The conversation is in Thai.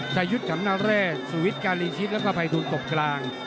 ชายุทธ์ขำนาเรศสุวิทย์การีชิตแล้วก็ภัยทูลตกกลาง